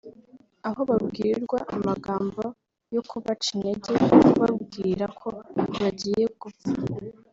aho babwirwa amagambo yo kubaca intege no kubabwira ko bagiye gupfa